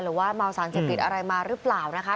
หรือว่าเมาสารเจ็บติดอะไรมาหรือเปล่านะคะ